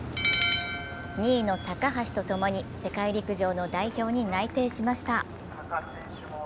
２位の高橋と共に世界陸上の代表に内定しました。